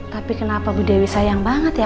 tapi kenapa bu dewi sayang banget ya